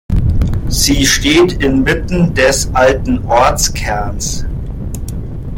Sie steht inmitten des alten Ortskerns.